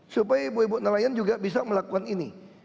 supaya ibu ibu nelayan juga bisa melakukan ini